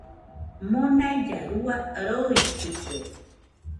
Monailla rua roitɨkue